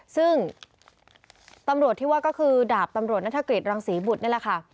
ซึ่งตำรวจที่ว่าก็คือดาบตำรวจนัฐกฤษรังศรีบุตรนี่แหละค่ะ